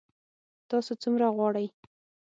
تاسو څومره غواړئ؟